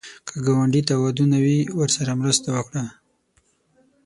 که ګاونډي ته ودونه وي، ورسره مرسته وکړه